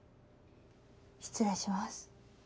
失礼します。